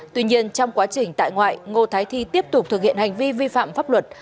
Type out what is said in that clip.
tuy nhiên trong quá trình tại ngoại ngô thái thi tiếp tục thực hiện hành vi vi phạm pháp luật